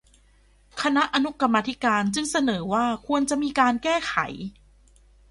คณะอนุกรรมาธิการจึงเสนอว่าควรจะมีการแก้ไข